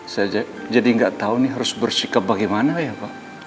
saya jadi nggak tahu ini harus bersikap bagaimana ya pak